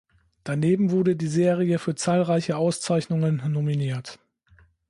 Daneben wurde die Serie für zahlreiche Auszeichnungen nominiert.